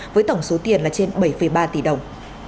với tổng số tiền là trên bảy ba tỷ đồng